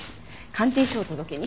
鑑定書を届けに。